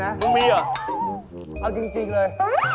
ไม่มีหรอเอาจริงเลย